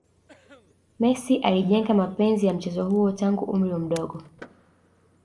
messi alijenga mapenzi ya mchezo huo tangu umri mdogo